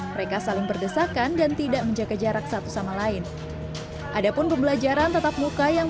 mereka saling berdesakan dan tidak menjaga jarak satu sama lain adapun pembelajaran tetap muka yang